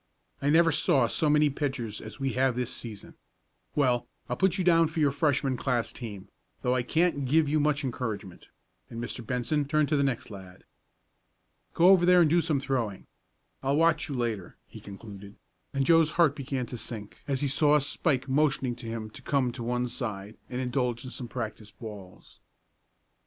I never saw so many pitchers as we have this season. Well, I'll put you down for your Freshman class team, though I can't give you much encouragement," and Mr. Benson turned to the next lad. "Go over there and do some throwing, I'll watch you later," he concluded, and Joe's heart began to sink as he saw Spike motioning to him to come to one side and indulge in some practice balls.